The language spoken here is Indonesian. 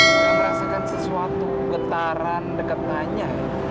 nggak merasakan sesuatu getaran deketannya